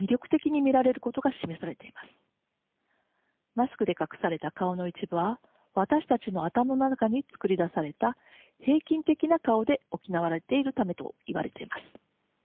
マスクで隠された顔の一部は私たちの頭の中に作り出された平均的な顔で補われているためといわれています。